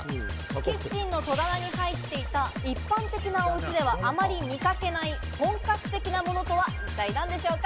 キッチンの戸棚に入っていた一般的なおうちではあんまり見掛けない本格的なものとは一体何でしょうか。